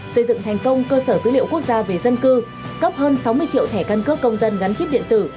xây dựng thành công cơ sở dữ liệu quốc gia về dân cư cấp hơn sáu mươi triệu thẻ căn cước công dân gắn chip điện tử